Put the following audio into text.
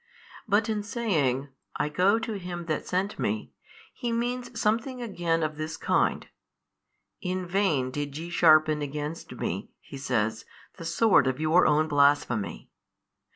But in saying, I go to Him That sent Me, He means something again of this kind: In. vain did ye sharpen against Me (He says) the sword of your own blasphemy.